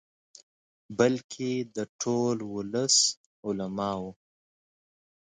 بلکې د ټول ولس، علماؤ.